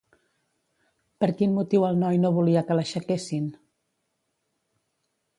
Per quin motiu el noi no volia que l'aixequessin?